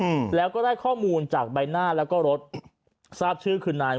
อืมแล้วก็ได้ข้อมูลจากใบหน้าแล้วก็รถทราบชื่อคือนาย